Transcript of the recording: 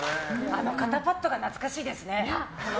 あの肩パットが懐かしいですね。